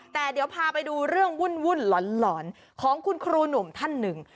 แต่เดี๋ยวพาไปดูเรื่องวุ่นหลอนของคุณครูหนุ่มท่านหนึ่ง